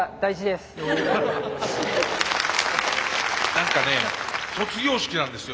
何かね卒業式なんですよ